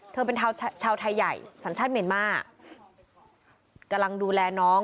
เธอเป็นชาวไทยใหญ่สัญชาติเมียนมากำลังดูแลน้อง